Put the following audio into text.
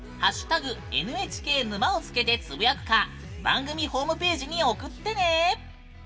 「＃ＮＨＫ沼」をつけてつぶやくか番組ホームページに送ってね。